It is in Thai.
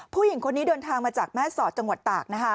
ผู้หญิงคนนี้เดินทางมาจากแม่สอดจังหวัดตากนะคะ